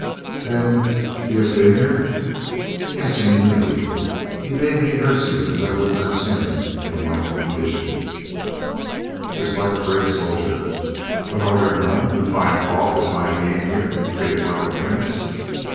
Then he has been here?" "Yes, and knew you. He bade me nurse you as I would nurse him in like condition." "Just like a brave soldier; but are there none who find fault with my being here treated like a prince?"